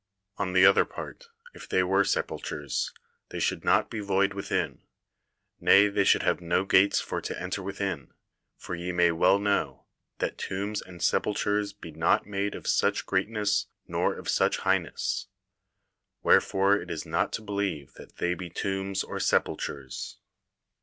On the other part, if they were sepultures, they should not be void within, ne they should have no gates for to enter within, for ye may well know, that tombs and sepul tures be not made of such greatness nor of such high ness ; wherefore it is not to believe that they be tombs or sepultures.